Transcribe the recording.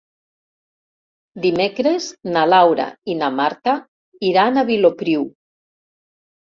Dimecres na Laura i na Marta iran a Vilopriu.